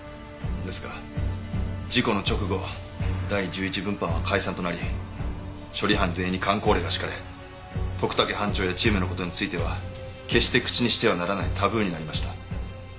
ですが事故の直後第１１分班は解散となり処理班全員に箝口令が敷かれ徳武班長やチームの事については決して口にしてはならないタブーになりました。